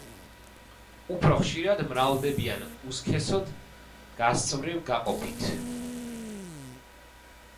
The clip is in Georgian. უფრო ხშირად მრავლდებიან უსქესოდ, გასწვრივ გაყოფით.